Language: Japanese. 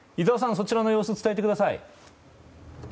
そちらの様子伝えてください。